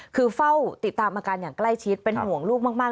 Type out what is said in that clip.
คือเฝ้าติดตามอาการอย่างใกล้ชิดเป็นห่วงลูกมาก